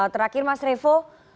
terakhir mas revo